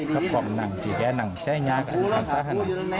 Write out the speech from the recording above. ครับคอมหนังดิแกนั่งแช่ง้าแกมซ่าหาหนัง